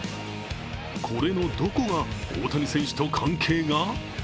これのどこが、大谷選手と関係が？